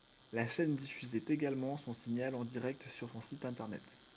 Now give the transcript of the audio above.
La chaîne diffusait également son signal en direct sur son site Internet.